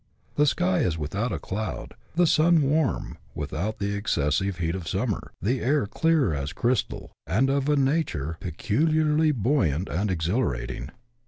The sky is without a cloud, the sun warm, without the excessive heat of summer, the air clear as crystal, and of a nature pecu liarly buoyant and exhilarating.